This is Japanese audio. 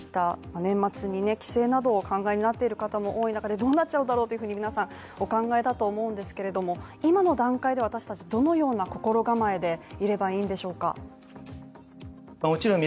年末に帰省などを考えている方も多い中でどうなっちゃうんだろうというふうに皆さんお考えだと思うんですけれども、今の段階で私達、どのような心構えでいればいいんでしょうか？